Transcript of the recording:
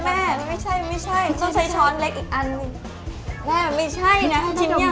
แม่ไม่ใช่นะชิมยัง